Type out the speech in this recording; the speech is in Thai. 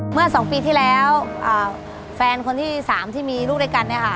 เมื่อสองปีที่แล้วแฟนคนที่สามที่มีลูกด้วยกัน